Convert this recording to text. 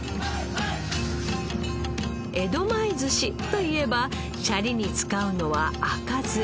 江戸前鮨といえばシャリに使うのは赤酢。